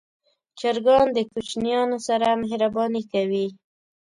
چرګان د کوچنیانو سره مهرباني کوي.